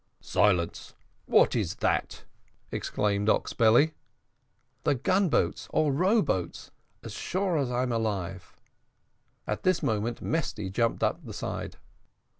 "Silence! what is that?" exclaimed Oxbelly. "The gun boats or row boats, as sure as I'm alive!" At this moment Mesty jumped up the side.